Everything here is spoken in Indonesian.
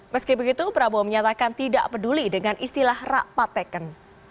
meski begitu prabowo menyatakan tidak peduli dengan istilah rak pateken